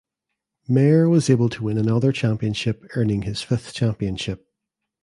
Mayer was able to win another championship earning his fifth championship.